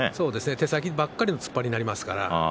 手先ばかりでの突っ張りになりますから。